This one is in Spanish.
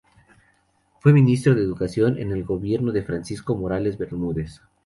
Fue Ministro de Educación en el Gobierno de Francisco Morales Bermúdez.